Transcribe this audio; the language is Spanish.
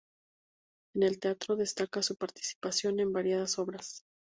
En el teatro destaca su participación en variadas obras.